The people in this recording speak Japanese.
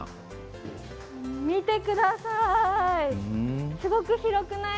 見てください。